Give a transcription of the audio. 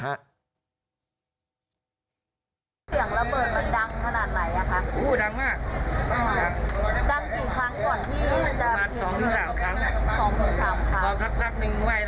เสียงระเบิดมันดังขนาดไหนอ่ะคะ